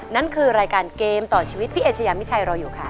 นั่นคือรายการเกมต่อชีวิตพี่เอชยามิชัยรออยู่ค่ะ